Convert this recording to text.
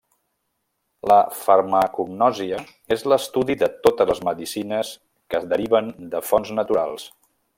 La farmacognòsia és l'estudi de totes les medicines que deriven de fonts naturals.